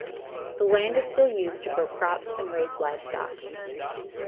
The land is still used to grow crops and raise livestock.